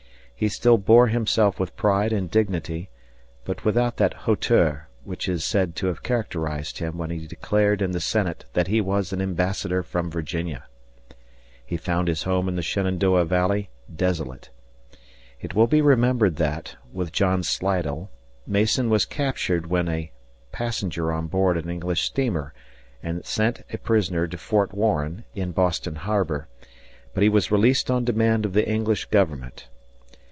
He still bore himself with pride and dignity, but without that hauteur which is said to have characterized him when he declared in the Senate that he was an ambassador from Virginia. He found his home in the Shenandoah Valley desolate. It will be remembered that, with John Slidell, Mason was captured when a passenger on board an English steamer and sent a prisoner to Fort Warren (in Boston Harbor), but he was released on demand of the English government.